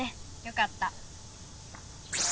よかった。